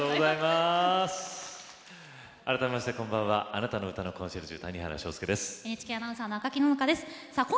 改めましてあなたの歌のコンシェルジュ谷原章介です。